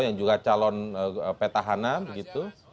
yang juga calon peta hana begitu